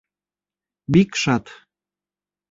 Бик шат